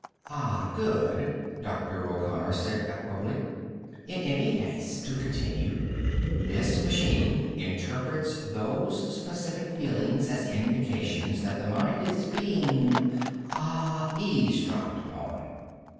"Ah. Good," Dr. O'Connor said equably. "In any case, to continue: this machine interprets those specific feelings as indications that the mind is being ... ah ... 'eavesdropped' upon."